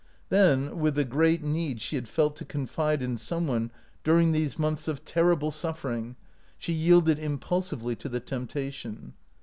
Then, with the great need she had felt to confide in some one during these months of terrible OUT OF BOHEMIA suffering, she yielded impulsively to the temptation.